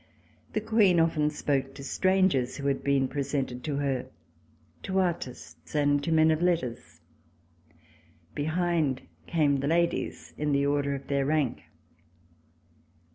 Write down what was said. The Queen often spoke to strangers who had been presented to her, to artists and to men of letters. Behind came the ladies in the order of their rank.